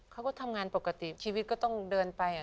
เขาก็ทำงานปกติชีวิตก็ต้องเดินไป